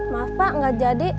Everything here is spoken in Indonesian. maaf pak nggak jadi